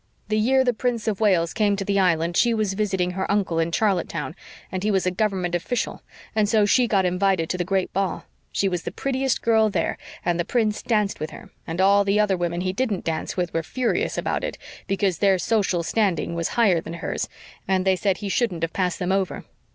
The year the Prince of Wales came to the Island she was visiting her uncle in Charlottetown and he was a Government official, and so she got invited to the great ball. She was the prettiest girl there, and the Prince danced with her, and all the other women he didn't dance with were furious about it, because their social standing was higher than hers and they said he shouldn't have passed them over.